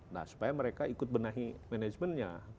nah supaya mereka ikut benahi manajemennya